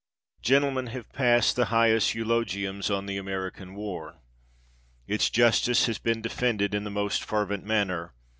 Gentlemen have passed the highest eulogiums on the American war. Its justice has been de fended in the most fervent manner.